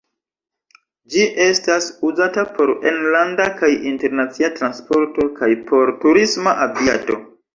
Ĝi estas uzata por enlanda kaj internacia transporto kaj por turisma aviado.